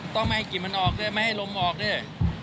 ต้องไม่ให้กลิ่นมันออกด้วยไม่ให้ลมออกด้วย